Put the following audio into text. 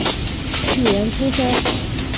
举人出身。